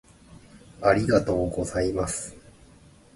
ありがとうございます。